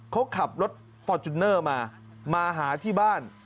เขาขับรถฟอร์จูเนอร์มามาหาที่บ้าน